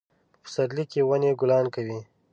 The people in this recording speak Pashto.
په پسرلي کې ونې ګلان کوي